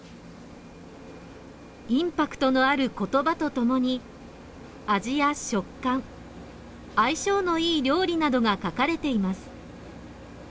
インパクトのある言葉とともに味や食感相性のいい料理などが書かれています。